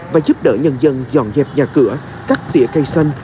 và giúp đỡ nhân dân dọn dẹp nhà cửa cắt tỉa cây xanh